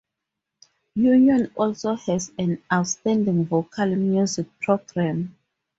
Union also has an outstanding Vocal Music program.